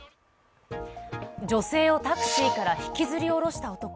女性をタクシーから引きずり下ろした男。